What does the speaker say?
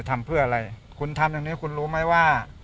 ทำเพื่ออะไรคุณทำอย่างนี้คุณรู้ไหมว่า